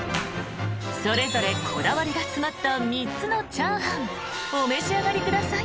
［それぞれこだわりが詰まった３つのチャーハンお召し上がりください］